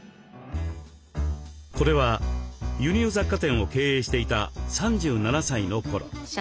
これは輸入雑貨店を経営していた３７歳の頃。